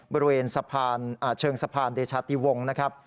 บริเวณสะพานเชิงสะพานเดชาติวงศ์นะครับ